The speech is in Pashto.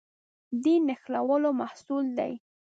دین نښلولو محصول دی.